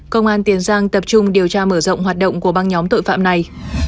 công an tiền giang tập trung điều tra mở rộng hoạt động của băng nhóm tội phạm này